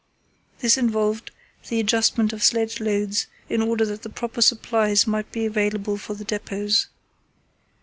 This involved the adjustment of sledge loads in order that the proper supplies might be available for the depots.